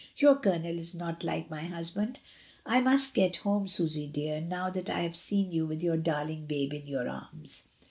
Your Colonel is not like my husband. I must get home, Susy dear, now that I have seen you with your darling babe in your arms."